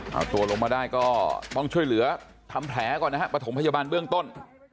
เอาตัวลงมาได้ก็ต้องช่วยเหลือทำแผลก่อนนะฮะประถมพยาบาลเบื้องต้น